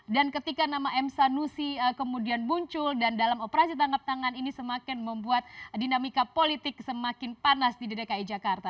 dan ketika nama m sanusi kemudian muncul dan dalam operasi tangkap tangan ini semakin membuat dinamika politik semakin panas di dki jakarta